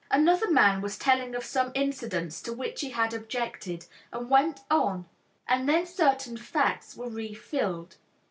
Another man was telling of some incidents to which he had objected, and went on, "and then certain facts were re filed."